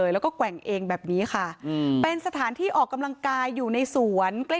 ทำงานสะดวกเลยนะเล๋งไปนี่ค่ะ